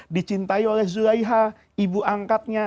dicintai oleh zulaiha ibu angkatnya